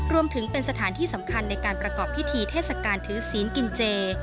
รวมถึงเป็นสถานที่สำคัญในการประกอบพิธีเทศกาลถือศีลกินเจ